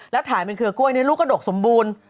แล้วถ่ายเป็นเครือกล้วยในลูกกระดกสมบูรณ์